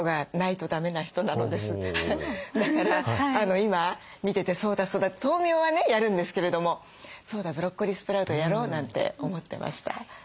だから今見ててそうだそうだ豆苗はねやるんですけれどもそうだブロッコリースプラウトやろうなんて思ってました。